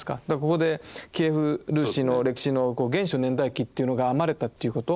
ここでキエフ・ルーシの歴史の「原初年代記」というのが編まれたということ。